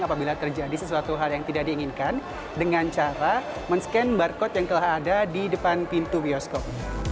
apabila terjadi sesuatu hal yang tidak diinginkan dengan cara men scan barcode yang telah ada di depan pintu bioskop